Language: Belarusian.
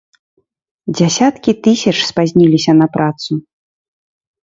Дзясяткі тысяч спазніліся на працу.